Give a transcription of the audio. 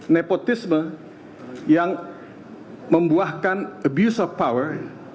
nepotisme yang membuahkan abuse of power